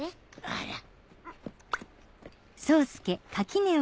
あら！